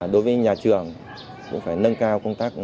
đối với nhà trường cũng phải nâng cao công tác